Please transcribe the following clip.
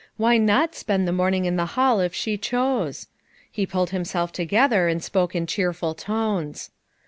Why not spend the morning in the hall if she chose? He pulled himself together and spoke in cheerful tones.